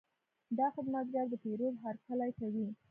دا خدمتګر د پیرود هرکلی کوي.